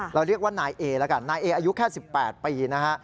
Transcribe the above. เรียกว่านายเอละกันนายเออายุแค่๑๘ปีนะฮะ